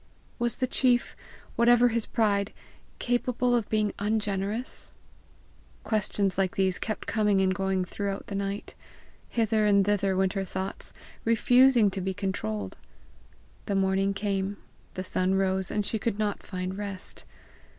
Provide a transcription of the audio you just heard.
Was the chief, whatever his pride, capable of being ungenerous? Questions like these kept coming and going throughout the night. Hither and thither went her thoughts, refusing to be controlled. The morning came, the sun rose, and she could not find rest.